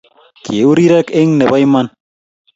Kiu rirek eng nebo iman